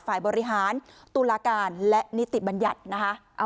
ฝ่ายบริหารตุลาการและนิติบัญญัตินะคะ